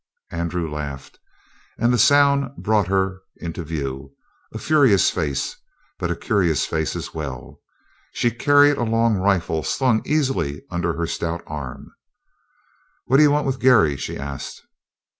Andrew laughed, and the sound brought her into view, a furious face, but a curious face as well. She carried a long rifle slung easily under her stout arm. "What d'you want with Garry?" she asked.